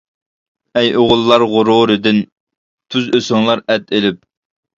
ئەي ئوغۇللار غۇرۇردىن، تۇز ئۆسۈڭلار، ئەت ئېلىپ!